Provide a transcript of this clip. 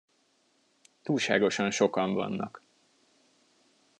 Túlságosan sokan vannak.